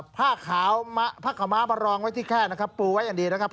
ผ้าขาวผ้าขาวม้ามารองไว้ที่แค่นะครับปูไว้อย่างดีนะครับ